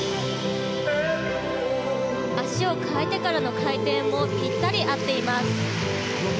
足を換えてからの回転もぴったり合っています。